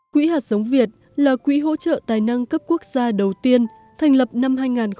quỹ hạt sống việt là quỹ hỗ trợ tài năng cấp quốc gia đầu tiên thành lập năm hai nghìn một mươi